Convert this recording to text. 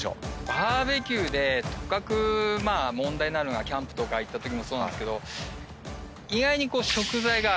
バーベキューでとかく問題になるのがキャンプとか行ったときもそうなんですけど意外に。